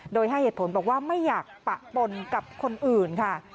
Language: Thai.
โดยให้เหตุผลบอกว่าไม่อยากปะปนกับคนอื่นค่ะ